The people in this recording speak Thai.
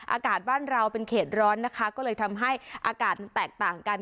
อากาศบ้านเราเป็นเขตร้อนนะคะก็เลยทำให้อากาศมันแตกต่างกัน